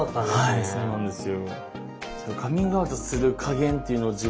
はいそうなんですよ。